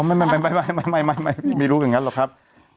ไม่ไม่ไม่รู้อย่างนั้นหรอกครับ